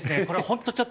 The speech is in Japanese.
これ本当